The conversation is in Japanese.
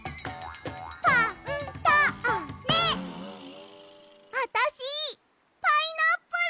「ファ・ン・タ・ー・ネ」あたしパイナップル！